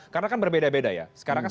karena kan berbeda beda ya sekarang kan